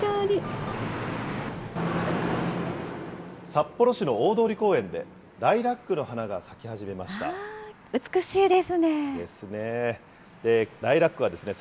札幌市の大通公園で、ライラックの花が咲き始めました。ですね。